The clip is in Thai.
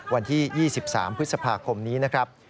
วันที่๒๓พฤษภาคมนี้นะครับ